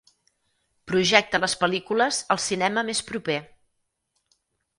projecta les pel·lícules al cinema més proper